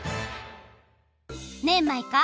ねえマイカ！